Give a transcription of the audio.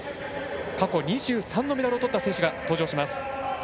過去２３のメダルをとった選手が登場します。